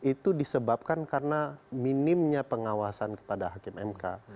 itu disebabkan karena minimnya pengawasan kepada hakim mk